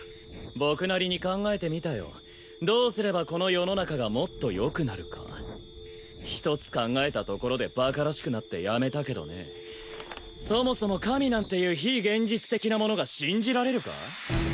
僕なりに考えてみたよどうすればこの世の中がもっとよくなるか一つ考えたところでバカらしくなってやめたけどねそもそも神なんていう非現実的なものが信じられるか？